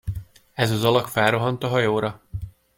Ez az alak felrohant a hajóra.